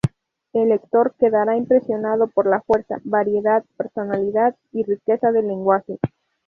El lector quedará impresionado por la fuerza, variedad, personalidad y riqueza del lenguaje.